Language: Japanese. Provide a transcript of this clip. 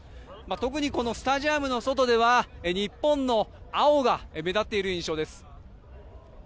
特にスタジアムの外では日本の青が目立っている印象です。